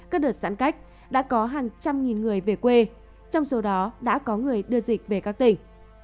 các đợt giãn cách đã có hàng trăm nghìn người về quê trong số đó đã có người đưa dịch về các tỉnh